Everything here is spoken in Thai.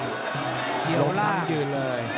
ลงทำยืนเลย